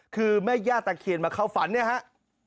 คือแม่ญาติตะเคียนมาเข้าฝันนะครับ